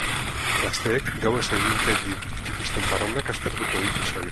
Gazteek gauez egiten dituzten parrandak aztertuko ditu saioak.